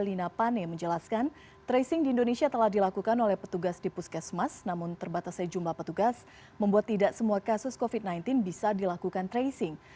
lina pane menjelaskan tracing di indonesia telah dilakukan oleh petugas di puskesmas namun terbatasnya jumlah petugas membuat tidak semua kasus covid sembilan belas bisa dilakukan tracing